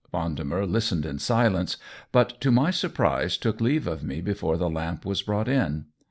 Vendemer listened in silence, but to my surprise took leave of me before the lamp was brought in.